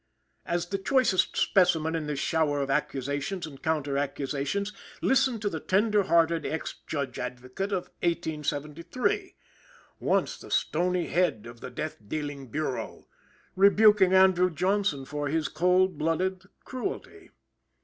As the choicest specimen in this shower of accusations and counter accusations, listen to the tender hearted ex Judge Advocate of 1873 once the stony head of the death dealing Bureau rebuking Andrew Johnson for his cold blooded cruelty!